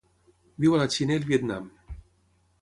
Viu a la Xina i el Vietnam.